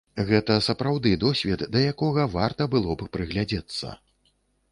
Гэта сапраўды досвед, да якога варта было б прыглядзецца.